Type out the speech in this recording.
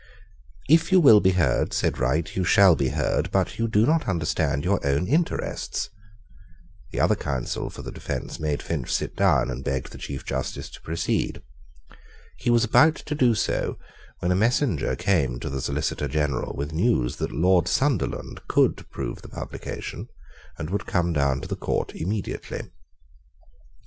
"If you will be heard," said Wright, "you shall be heard; but you do not understand your own interests." The other counsel for the defence made Finch sit down, and begged the Chief justice to proceed. He was about to do so when a messenger came to the Solicitor General with news that Lord Sunderland could prove the publication, and would come down to the court immediately.